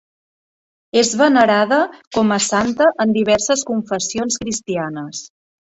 És venerada com a santa en diverses confessions cristianes.